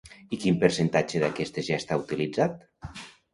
I quin percentatge d'aquestes ja està utilitzat?